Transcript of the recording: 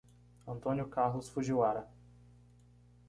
Antônio Carlos Fugiwara